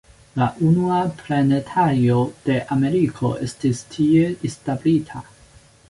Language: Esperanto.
La unua planetario de Ameriko estis tie establita.